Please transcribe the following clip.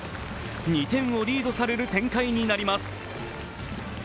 ２点をリードされる展開になります